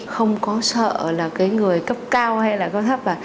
không có sợ là người cấp cao hay là cấp thấp